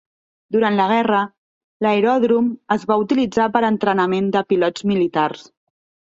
Durant la guerra, l'aeròdrom es va utilitzar per a l'entrenament de pilots militars.